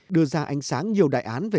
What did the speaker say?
đưa ra ánh sáng nhiều đại án về